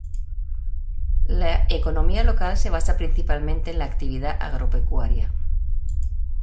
La economía local se basa principalmente en la actividad agropecuaria.